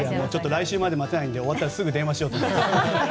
来週まで待てないので終わったらすぐ電話しようと思います。